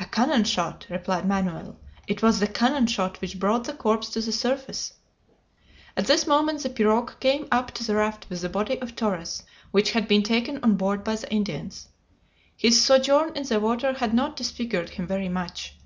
"A cannon shot!" replied Manoel. "It was the cannon shot which brought the corpse to the surface." At this moment the pirogue came up to the raft with the body of Torres, which had been taken on board by the Indians. His sojourn in the water had not disfigured him very much.